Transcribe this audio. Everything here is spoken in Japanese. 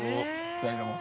◆２人とも。